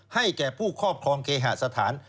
ให้แก่ผู้ครอบครองเคหสถาน